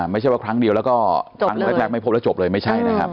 ไม่ใช่ว่าครั้งเดียวแล้วก็ครั้งแรกไม่พบแล้วจบเลยไม่ใช่นะครับ